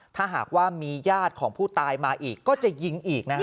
ถ้าหากว่ามีญาติของผู้ตายมาอีกก็จะยิงอีก